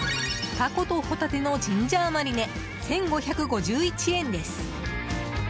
タコとホタテのジンジャーマリネ１５５１円です。